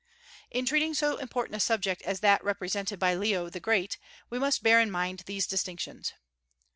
In treating so important a subject as that represented by Leo the Great, we must bear in mind these distinctions.